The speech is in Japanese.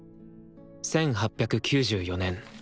１８９４年。